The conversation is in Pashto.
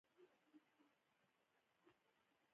جګړه که هر څومره مقدسه هم وي.